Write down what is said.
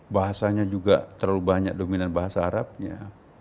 bahasanya juga terlalu banyak dominan bahasa arabnya